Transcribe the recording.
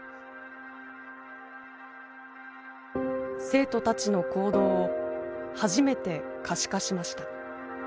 生徒たちの行動を初めて可視化しました。